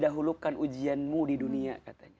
dahulukan ujianmu di dunia